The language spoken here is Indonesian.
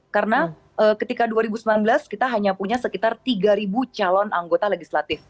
karena ketika dua ribu sembilan belas kita hanya punya sekitar tiga ribu calon anggota legislatif